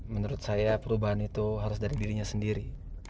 menurut saya perubahan itu harus dari dirinya sendiri